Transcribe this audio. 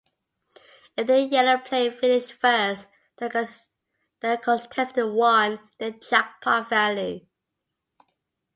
If the yellow player finished first, the contestant won the jackpot value.